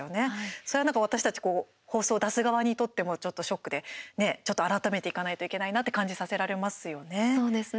それはなんか私たち放送を出す側にとってもちょっとショックで、ちょっと改めていかないといけないなって感じさせられますよね。